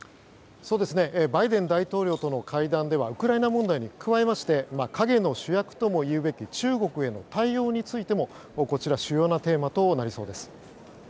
バイデン大統領との会談ではウクライナ問題に加えまして陰の主役ともいうべき中国への対応についても主要なテーマになりそうです。